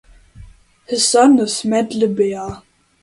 His son is Matt Le Ber.